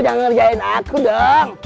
jangan ngerjain aku dong